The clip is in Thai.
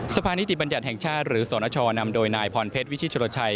สภานิติบัญญัติแห่งชาติหรือสนชนำโดยนายพรเพชรวิชิชรชัย